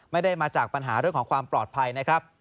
ไม่ได้มาจากปัญหาเรื่องของความปลอดภัยนะครับ